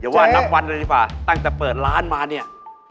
อย่าว่านับวันเลยสิฟะตั้งแต่เปิดร้านมาเนี่ย